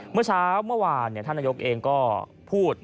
เมื่อเช้าเมื่อวานท่านนายกเองก็พูด